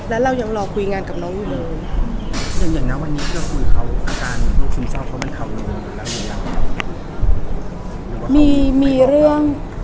แล้วเรายังรอคุยงานกับน้องอยู่เลย